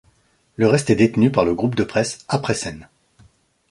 Le reste est détenu par le groupe de presse A-pressen.